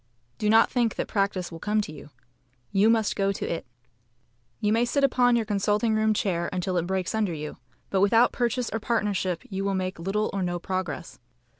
Do not think that practice will come to you. You must go to it. You may sit upon your consulting room chair until it breaks under you, but without purchase or partnership you will make little or no progress.